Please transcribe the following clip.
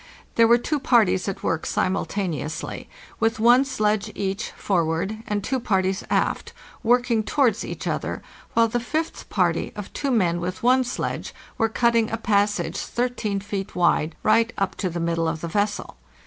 There were two parties at work simultaneously with one sledge each—forward, and two parties aft—working towards each other, while the fifth party, of two men with one sledge, were cutting a passage 13 feet wide right up to the middle of the vessel.